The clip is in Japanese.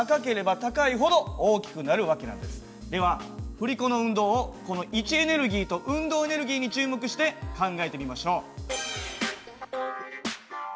つまりでは振り子の運動をこの位置エネルギーと運動エネルギーに注目して考えてみましょう。